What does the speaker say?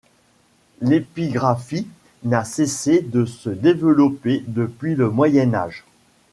L’épigraphie n’a cessé de se développer depuis le Moyen Âge.